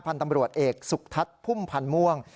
พันธ์ตำรวจเอกสุทัศน์พุ่มพันธ์ม่วง